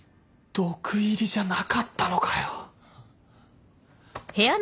毒入りじゃなかったのかよ